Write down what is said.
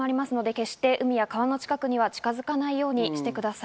決して海や川の近くには近づかないようにしてください。